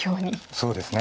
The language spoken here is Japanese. そうですね。